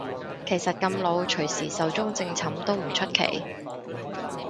其實咁老隨時壽終正寢都唔出奇